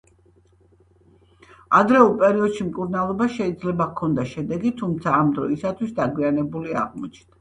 ადრეულ პერიოდში მკურნალობას შეიძლება ჰქონოდა შედეგი, თუმცა ამ დროისთვის დაგვიანებული აღმოჩნდა.